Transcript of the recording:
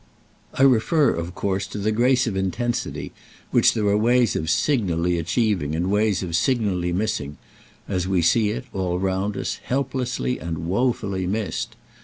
I refer of course to the grace of intensity, which there are ways of signally achieving and ways of signally missing—as we see it, all round us, helplessly and woefully missed.